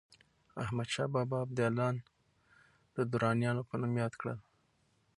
احمدشاه بابا ابداليان د درانیانو په نوم ياد کړل.